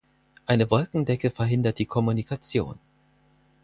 Eine Wolkendecke verhindert die Kommunikation.